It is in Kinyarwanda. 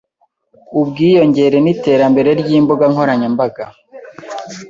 Ubwiyongere n'iterambere ry'imbuga nkoranyambaga